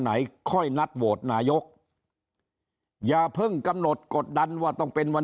ไหนค่อยนัดโหวตนายกอย่าเพิ่งกำหนดกดดันว่าต้องเป็นวัน